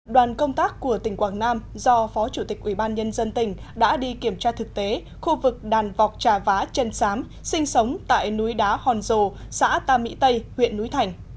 đoàn công tác của tỉnh quảng nam do phó chủ tịch ubnd tỉnh đã đi kiểm tra thực tế khu vực đàn vọc trà vá chân sám sinh sống tại núi đá hòn rồ xã tam mỹ tây huyện núi thành